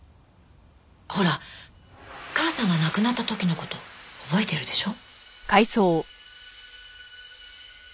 ほら母さんが亡くなった時の事覚えてるでしょ？